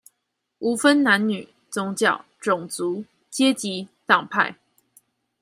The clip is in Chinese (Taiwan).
無分男女、宗教、種族、階級、黨派